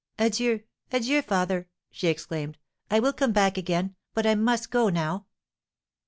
"Adieu, adieu, father!" she exclaimed. "I will come back again, but I must go now."